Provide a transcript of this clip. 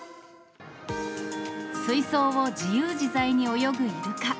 水槽を自由自在に泳ぐイルカ。